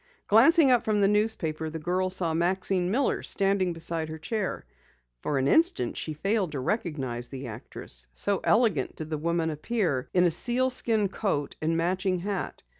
Glancing up from the newspaper, the girl saw Maxine Miller standing beside her chair. For an instant she failed to recognize the actress, so elegant did the woman appear in a sealskin coat and matching hat.